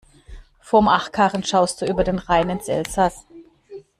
Vom Achkarren schaust du über den Rhein ins Elsaß.